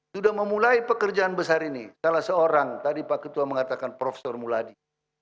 sudah memulai pekerjaan besar ini salah seorang tadi pak ketua mengatakan prof muladi